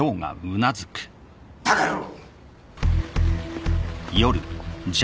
バカ野郎！